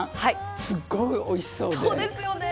すごく、おいしそうで。